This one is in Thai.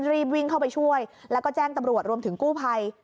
รีบวิ่งเข้าไปช่วยแล้วก็แจ้งตำรวจรวมถึงกู้ภัย